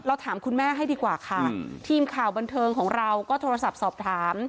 ถามคุณแม่ให้ดีกว่าค่ะทีมข่าวบันเทิงของเราก็โทรศัพท์สอบถาม